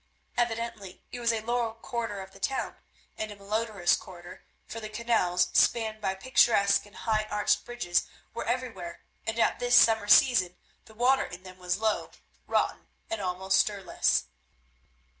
Evidently it was a low quarter of the town and a malodourous quarter, for the canals, spanned by picturesque and high arched bridges, were everywhere, and at this summer season the water in them was low, rotten, and almost stirless.